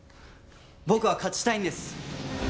僕は勝ちたいんです。